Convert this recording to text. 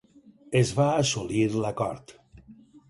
Es va assolir l'acord.